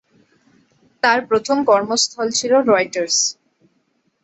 তার প্রথম কর্মস্থল ছিল রয়টার্স।